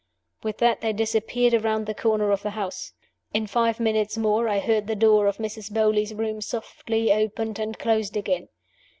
With that they disappeared around the corner of the house. In five minutes more I heard the door of Mrs. Beauly's room softly opened and closed again.